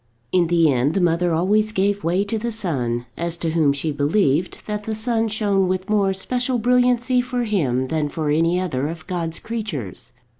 In the end the mother always gave way to the son; as to whom she believed that the sun shone with more special brilliancy for him than for any other of God's creatures.